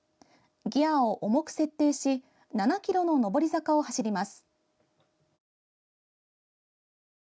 ギヤを重く設定し７ｋｍの上り坂を走ります。